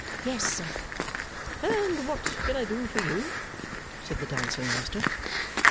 'Yes, sir.' 'And what can I do for you?' said the dancing master.